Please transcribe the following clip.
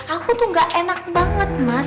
aku tuh gak enak banget mas